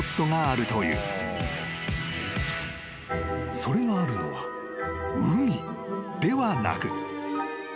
［それがあるのは海ではなく］